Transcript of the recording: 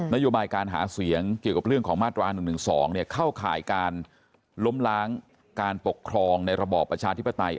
โยบายการหาเสียงเกี่ยวกับเรื่องของมาตรา๑๑๒เข้าข่ายการล้มล้างการปกครองในระบอบประชาธิปไตย